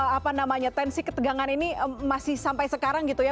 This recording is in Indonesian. apa namanya tensi ketegangan ini masih sampai sekarang gitu ya